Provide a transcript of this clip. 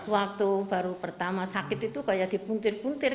waktu baru pertama sakit itu kayak dipuntir puntir